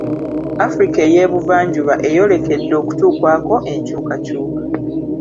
Africa ey'Ebuvanjuba eyolekedde okutuukwako enkyukakyuka.